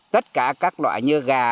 tất cả các loại như gà